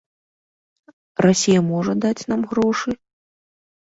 Расія можа даць нам грошы?